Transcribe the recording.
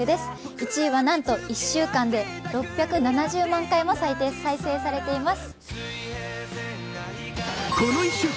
１位はなんと１週間で６７０万回も再生されています。